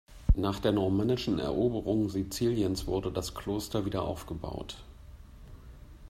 Nach der normannischen Eroberung Siziliens wurde das Kloster wieder aufgebaut.